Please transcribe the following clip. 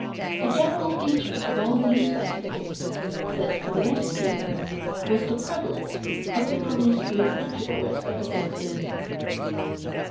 A general feature of all these festivals (says Kowalewsky) was the prevalence of the promiscuous intercourse of the sexes.